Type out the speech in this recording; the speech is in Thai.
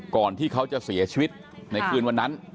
ก่อนที่เขาจะเสียชีวิตในคืนวันนั้น